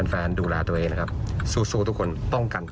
แฟนดูแลตัวเองนะครับสู้ทุกคนป้องกัน